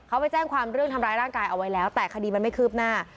เขาไปแจ้งความเรื่องทำร้ายร่างกายเอาไว้แล้วแต่คดีมันไม่คืบหน้า